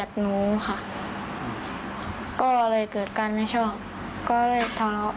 แต่หนูทักเทศหาพี่สาวของน้องแล้วก็น้องไอซ์ค่ะ